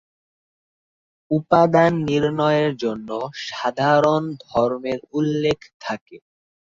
উপাদান নির্ণয়ে জন্য সাধারণ ধর্মের উল্লেখ থাকে।